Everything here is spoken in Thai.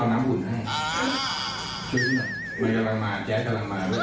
ไอ้มันน่าหนาวพี่ต้อยเดี๋ยวมันจะตู้ม้าหนาวเขาไปอีก